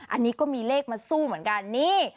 อันนี้ก็มีเลขมาสู้เหมือนกันนี่